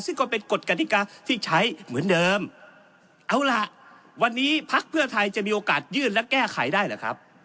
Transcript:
ซึ่งก็เป็นกฎกฎิกาที่ใช้เหมือนเดิมเอาล่ะวันนี้พักเพื่อไทยจะมีโอกาสยื่นและแก้ไขได้หรือครับ